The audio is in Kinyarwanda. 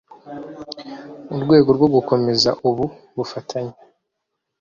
"Mu rwego rwo gukomeza ubu bufatanye